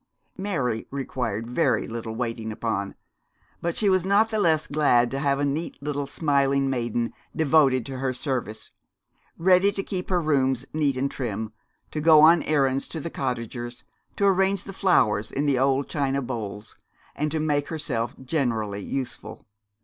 Mary required very little waiting upon, but she was not the less glad to have a neat little smiling maiden devoted to her service, ready to keep her rooms neat and trim, to go on errands to the cottagers, to arrange the flowers in the old china bowls, and to make herself generally useful.